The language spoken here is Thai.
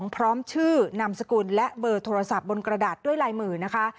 พร้อมชื่อนามสกุลและเบอร์โทรศัพท์บนกระดาษด้วยลายมือนะคะ